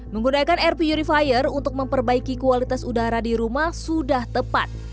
menggunakan air purifier untuk memperbaiki kualitas udara di rumah sudah tepat